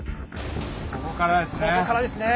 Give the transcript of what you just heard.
ここからですね。